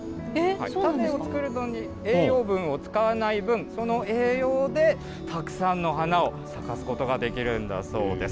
種を作るのに栄養分を使わない分、その栄養で、たくさんの花を咲かすことができるんだそうです。